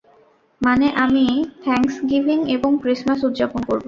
মানে আমি থ্যাংকসগিভিং এবং ক্রিসমাস উদযাপন করবো।